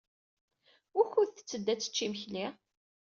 Wukud tetteddu ad tečč imekli?